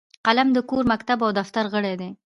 قلم د کور، مکتب او دفتر غړی دی